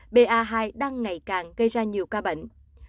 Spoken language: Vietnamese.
ba hai đang ngày càng gây ra nhiều ca bệnh